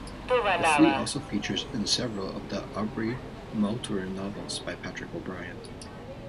The fleet also features in several of the Aubrey-Maturin novels by Patrick O'Brian.